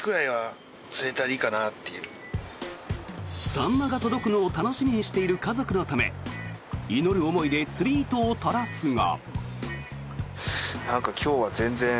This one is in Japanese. サンマが届くのを楽しみにしている家族のため祈る思いで釣り糸を垂らすが。